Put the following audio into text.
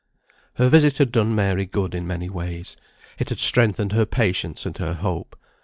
Her visit had done Mary good in many ways. It had strengthened her patience and her hope.